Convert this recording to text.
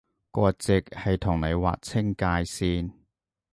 割蓆係同你劃清界線